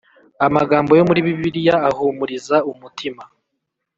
Amagambo yo muri bibiliya ahumuriza umutima